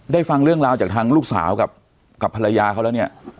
ฟังเรื่องราวจากทางลูกสาวกับภรรยาเขาแล้วเนี่ย